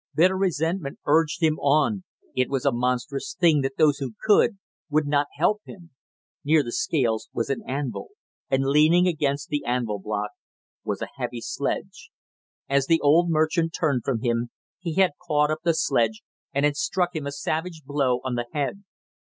Bitter resentment urged him on it was a monstrous thing that those who could, would not help him! Near the scales was an anvil, and leaning against the anvil block was a heavy sledge. As the old merchant turned from him, he had caught up the sledge and had struck him a savage blow on the head.